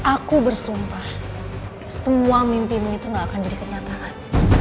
aku bersumpah semua mimpimu itu gak akan jadi kenyataan